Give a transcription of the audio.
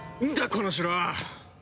この城は！